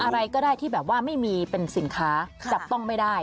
อะไรก็ได้ที่แบบว่าไม่มีเป็นสินค้าจับต้องไม่ได้